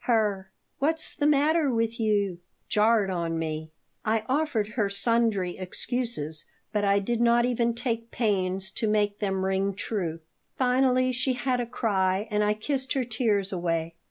Her "What's the matter with you?" jarred on me I offered her sundry excuses, but I did not even take pains to make them ring true Finally she had a cry and I kissed her tears away.